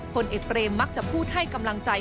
ผลเอกเบรมมักจะพูดให้กำลังใจ